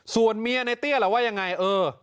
ส่วนเมียในเตี้ยล่ะว่ายังไงเออ